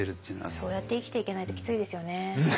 そうやって生きていけないときついですよね。